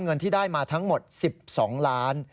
เงินที่ได้มาทั้งหมด๑๒ล้าน